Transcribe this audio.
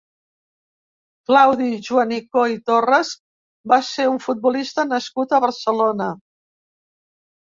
Claudi Juanico i Torres va ser un futbolista nascut a Barcelona.